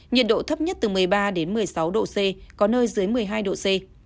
nhiệt độ thấp nhất từ một mươi ba đến một mươi sáu độ c có nơi dưới một mươi hai độ c